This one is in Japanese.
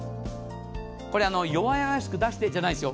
これ、弱々しく出してるんじゃないですよ。